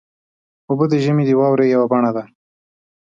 اوبه د ژمي د واورې یوه بڼه ده.